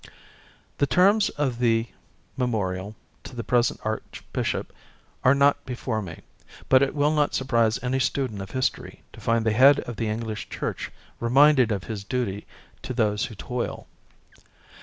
The terms of the memorial to the present Archbishop are not before me, but it will not surprise any student of history to find the head of the Enghsh Church reminded of his duty to those who toil.